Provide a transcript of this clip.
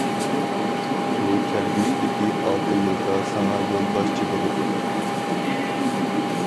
بۇ كەلگۈسىدىكى ئالتە يىلدا ساڭا يولباشچى بولىدۇ.